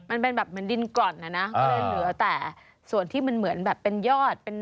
มันเป็นแบบดินกร่อนนะเหลือแต่ส่วนที่มันเหมือนแบบเป็นยอด